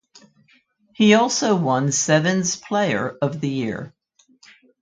He also won Sevens Player of the Year.